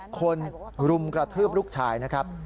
คนรุมกระทืบลูกชายนะครับ